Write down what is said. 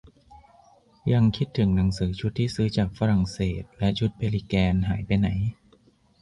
ยังคิดถึงหนังสือชุดที่ซื้อจากฝรั่งเศสและชุดเพลิแกน หายไปไหน